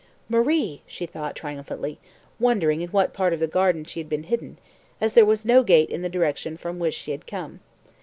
"Marie!" she thought triumphantly, wondering in what part of the garden she had been hidden, as there was no gate in the direction from which she had come.